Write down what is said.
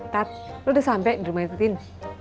tat lu udah sampe di rumah itu tin